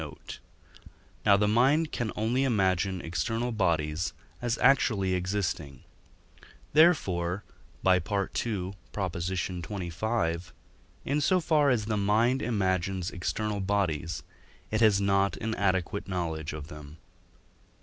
note); now the mind can only imagine external bodies as actually existing. Therefore (by II. xxv.), in so far as the mind imagines external bodies, it has not an adequate knowledge of them.